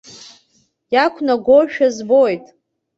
Иақәнагоушәа збоит.